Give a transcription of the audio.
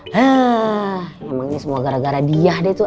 hah emang ini semua gara gara dia deh tuh